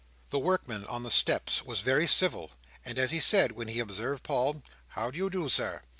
The workman on the steps was very civil; and as he said, when he observed Paul, "How do you do, Sir?"